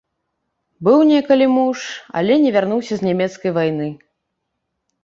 Быў некалі муж, але не вярнуўся з нямецкай вайны.